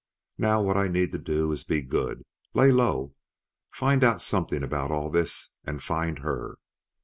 Now what I need to do is to be good lay low find out something about all this, and find her!"